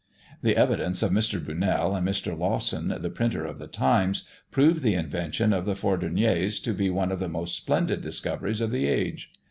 The evidence of Mr. Brunel, and of Mr. Lawson, the printer of The Times, proved the invention of the Fourdriniers to be one of the most splendid discoveries of the age.